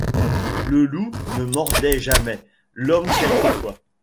Le loup ne mordait jamais, l’homme quelquefois.